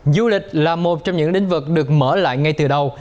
du lịch là một trong những lĩnh vực được mở lại ngay từ đầu